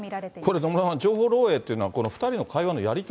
これ野村さん、情報漏えいというのはこの２人の会話のやり取り？